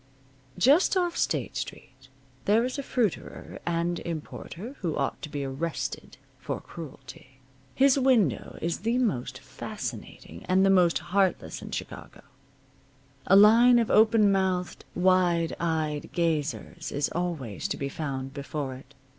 Just off State Street there is a fruiterer and importer who ought to be arrested for cruelty. His window is the most fascinating and the most heartless in Chicago. A line of open mouthed, wide eyed gazers is always to be found before it.